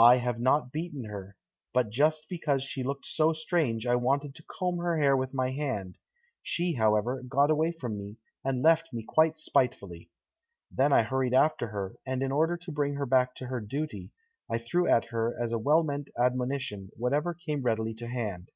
"I have not beaten her, but just because she looked so strange I wanted to comb her hair with my hand; she, however, got away from me, and left me quite spitefully. Then I hurried after her, and in order to bring her back to her duty, I threw at her as a well meant admonition whatever came readily to hand.